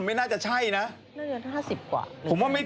เท่าไหร่๖๐โอ๊ย